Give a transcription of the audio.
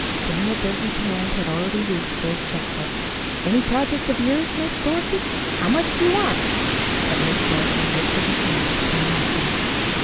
Daniel Burton's hand had already reached for his check book. "Any project of yours, Miss Dorothy ! How much do you want?" But Miss Dorothy lifted her hand, palm outward.